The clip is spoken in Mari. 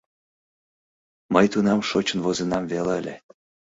Мый тунам шочын возынам веле ыле.